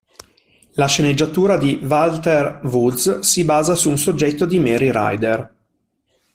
La sceneggiatura di Walter Woods si basa su un soggetto di Mary Rider.